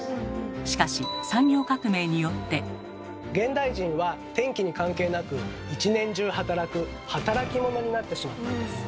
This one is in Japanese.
しかし現代人は天気に関係なく一年中働く「働き者」になってしまったんです。